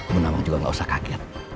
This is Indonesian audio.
bu nawang juga gak usah kaget